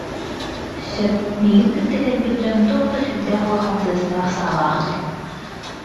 Сөп, миигин кытта кэлбит дьон туох да сүрдээх улахан тыастаах саалаахтар